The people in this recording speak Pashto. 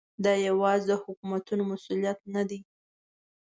دا یوازې د حکومتونو مسؤلیت نه دی.